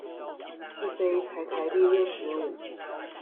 一杯才台幣六十五